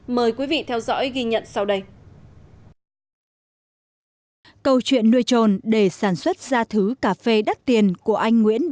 mời quý vị theo dõi ghi nhận sau đây